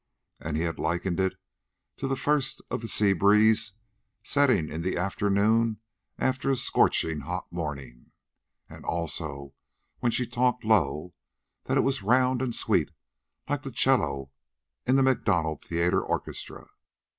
And he had likened it to the first of the sea breeze setting in the afternoon after a scorching hot morning. And, also, when she talked low, that it was round and sweet, like the 'cello in the Macdonough Theater orchestra.